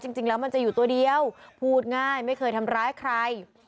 จริงแล้วมันจะอยู่ตัวเดียวพูดง่ายไม่เคยทำร้ายใคร